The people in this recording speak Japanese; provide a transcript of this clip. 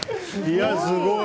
すごい。